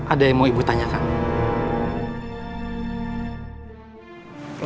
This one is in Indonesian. ada yang mau ibu tanyakan